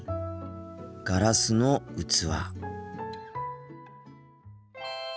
ガラスの器。